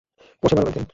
কষে মারুন আংকেল।